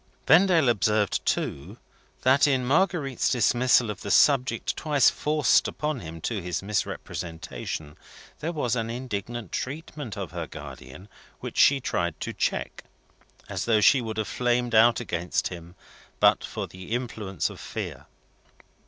Vendale observed too, that in Marguerite's dismissal of the subject twice forced upon him to his misrepresentation, there was an indignant treatment of her guardian which she tried to cheek: as though she would have flamed out against him, but for the influence of fear.